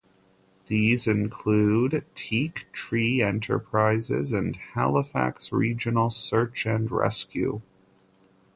These include Teak Tree Enterprises and Halifax Regional Search and Rescue.